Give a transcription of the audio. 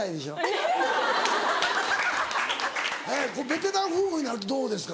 えっベテラン夫婦になるとどうですか？